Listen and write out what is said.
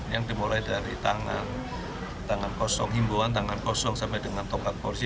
yang dimulai dari tangan kosong himbuan tangan kosong sampai dengan tokak polisi